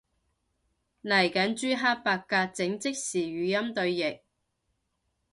嚟緊朱克伯格整即時語音對譯